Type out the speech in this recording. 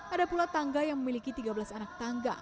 ada pula tangga yang memiliki tiga belas anak tangga